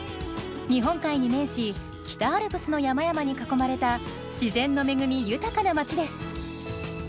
日本海に面し北アルプスの山々に囲まれた自然の恵み豊かな街です。